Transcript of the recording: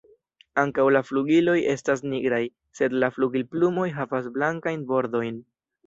Ankaŭ la flugiloj estas nigraj, sed la flugilplumoj havas blankajn bordojn.